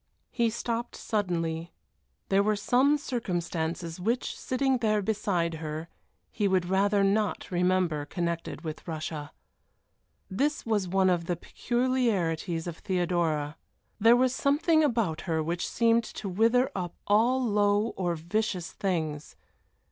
He stopped suddenly; there were some circumstances which, sitting there beside her, he would rather not remember connected with Russia. This was one of the peculiarities of Theodora. There was something about her which seemed to wither up all low or vicious things.